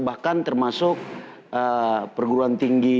bahkan termasuk perguruan tinggi